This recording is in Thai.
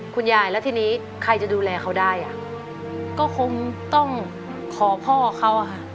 คุณยายและทีนี้ใครจะดูแลเขาได้อ่ะ